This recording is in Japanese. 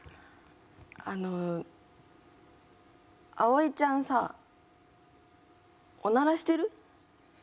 あのアオイちゃんさおならしてる？